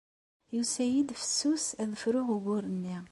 Yusa-iyi-d fessus ad fruɣ ugur-nni.